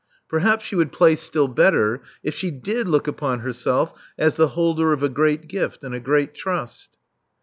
'' Perhaps she would play still better if she did look upon herself as the holder of a great gift and a great trust.'